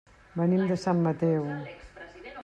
Venim de Sant Mateu.